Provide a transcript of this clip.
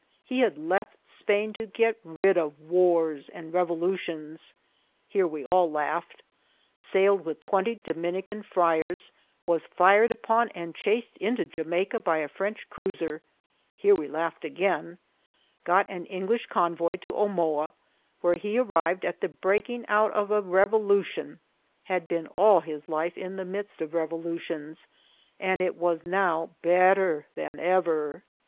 He had left Spain to get rid of wars and revolutions : here we all laughed ; sailed with twenty Dominican friars ; was fired upon and chased into Jamaica by a French cruiser : here we laughed again ; got an Eng lish convoy to Omoa, where he arrived at the breaking out of a revolution ; had been all his life in the midst of revolutions, and it was now better than ever.